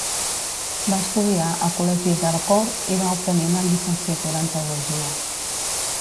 Va estudiar al Col·legi d'Harcourt i va obtenir una llicenciatura en teologia.